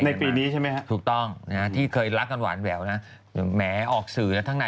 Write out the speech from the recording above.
กลัวว่าผมจะต้องไปพูดให้ปากคำกับตำรวจยังไง